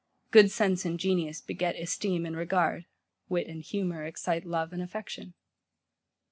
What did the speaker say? Good sense and genius beget esteem and regard: wit and humour excite love and affection.